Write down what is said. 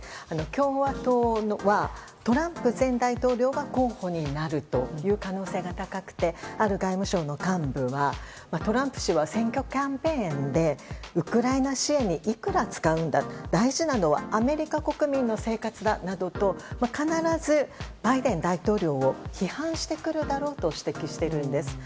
共和党はトランプ前大統領が候補になるという可能性が高くてある外務省の幹部はトランプ氏は選挙キャンペーンでウクライナ支援にいくら使うんだ大事なのはアメリカ国民の生活だなどと必ずバイデン大統領を批判してくるだろうと指摘しているんです。